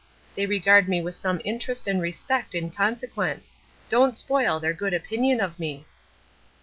They regard me with some interest and respect in consequence. Don't spoil their good opinion of me."